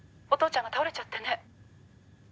「お父ちゃんが倒れちゃってね」